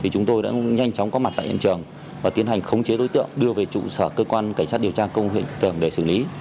chúng tôi đã nhanh chóng có mặt tại hiện trường và tiến hành khống chế đối tượng đưa về trụ sở cơ quan cảnh sát điều tra công an huyện tường để xử lý